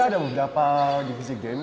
ada beberapa divisi game